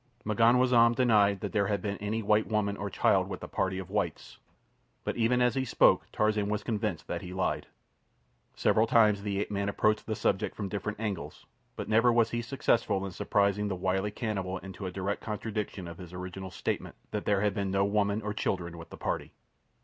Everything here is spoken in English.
M'ganwazam denied that there had been any white woman or child with the party of whites; but even as he spoke Tarzan was convinced that he lied. Several times the ape man approached the subject from different angles, but never was he successful in surprising the wily cannibal into a direct contradiction of his original statement that there had been no women or children with the party.